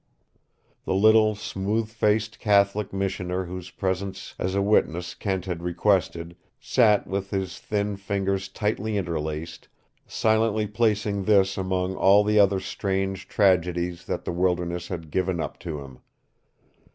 The little, smooth faced Catholic missioner whose presence as a witness Kent had requested, sat with his thin fingers tightly interlaced, silently placing this among all the other strange tragedies that the wilderness had given up to him.